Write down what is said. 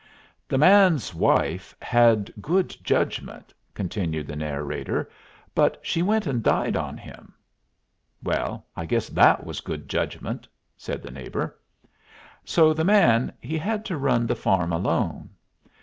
"The man's wife had good judgment," continued the narrator, "but she went and died on him." "Well, I guess that was good judgment," said the neighbor. "So the man, he had to run the farm alone.